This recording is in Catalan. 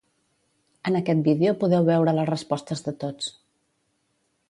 En aquest vídeo podeu veure les respostes de tots.